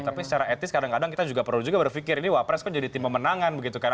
tapi secara etis kadang kadang kita juga perlu juga berpikir ini wapres kan jadi tim pemenangan begitu kan